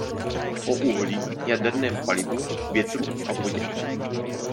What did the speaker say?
O uhlí, jaderném palivu, větru a vodě.